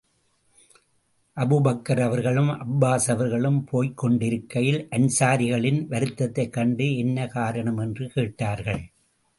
Abu Bakr அவர்களும், Abbas அவர்களும் போய்க் கொண்டிருக்கையில், அன்ஸாரிகளின் வருத்ததைக் கண்டு என்ன காரணம்? என்று கேட்டார்கள்.